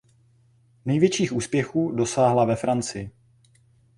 Největších úspěchů dosáhla ve Francii.